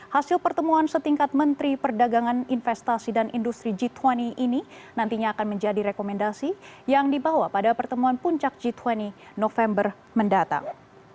hasil pertemuan setingkat menteri perdagangan investasi dan industri g dua puluh ini nantinya akan menjadi rekomendasi yang dibawa pada pertemuan puncak g dua puluh november mendatang